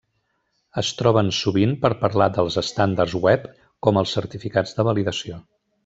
Es troben sovint per parlar dels estàndards web com els certificats de validació.